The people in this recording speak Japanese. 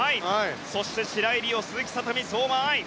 そして白井璃緒鈴木聡美、相馬あい。